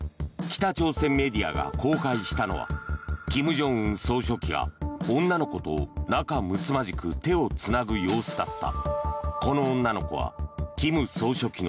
北朝鮮メディアが公開したのは金正恩総書記が女の子と仲むつまじく手をつなぐ様子だった。